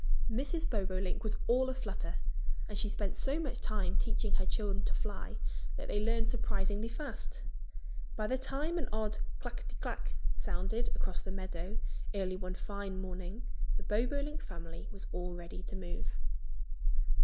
Mrs. Bobolink was all a flutter. And she spent so much time teaching her children to fly that they learned surprisingly fast. By the time an odd clackety clack sounded across the meadow early one fine morning the Bobolink family was all ready to move.